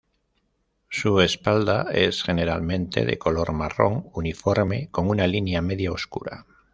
Su espalda es generalmente de color marrón uniforme con una línea media oscura.